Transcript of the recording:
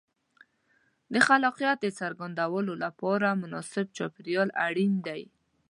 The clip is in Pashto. د خلاقیت د څرګندولو لپاره مناسب چاپېریال اړین دی.